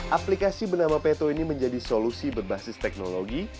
aplikasi bernama peto ini menjadi solusi berbasis teknologi